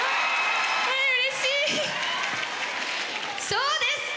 そうです！